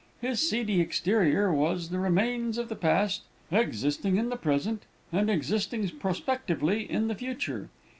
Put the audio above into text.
His seedy exterior was the remains of the past, existing in the present, and existing prospectively in the future.